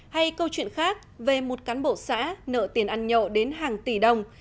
hay câu chuyện khác về một cán bộ xã nợ tiền ăn nhậu đến hàng tỷ đồng